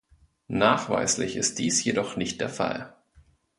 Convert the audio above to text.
Nachweislich ist dies jedoch nicht der Fall.